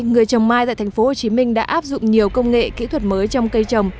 người trồng mai tại thành phố hồ chí minh đã áp dụng nhiều công nghệ kỹ thuật mới trong cây trồng